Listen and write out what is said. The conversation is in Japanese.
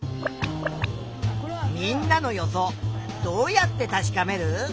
みんなの予想どうやって確かめる？